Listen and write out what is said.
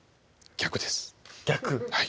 逆？